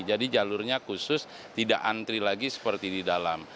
jadi jalurnya khusus tidak antri lagi seperti di dalam